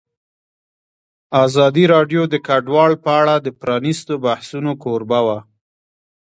ازادي راډیو د کډوال په اړه د پرانیستو بحثونو کوربه وه.